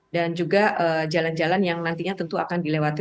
dan juga jalan jalan yang nantinya tentu akan dilewati